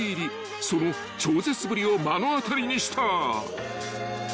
［その超絶ぶりを目の当たりにした］